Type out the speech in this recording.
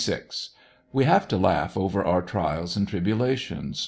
— We have to laugh over our trials and tribulations.